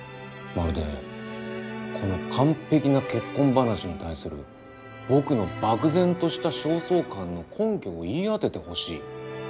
まるで「この完璧な結婚話に対する僕の漠然とした焦燥感の根拠を言い当ててほしい」とでも言いたげだな。